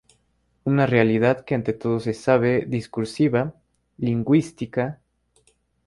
Una realidad que ante todo se sabe discursiva, lingüística.